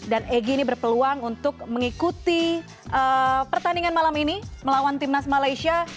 dan egy ini berpeluang untuk mengikuti pertandingan malam ini melawan timnas malaysia